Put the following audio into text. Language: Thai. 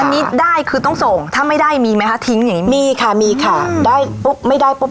อันนี้ได้คือต้องส่งถ้าไม่ได้มีไหมคะทิ้งอย่างงี้มีค่ะมีค่ะได้ปุ๊บไม่ได้ปุ๊บ